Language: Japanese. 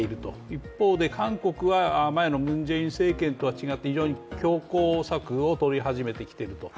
一方で韓国は前のムン・ジェイン政権とは違って非常に強攻策を取り始めてきていると。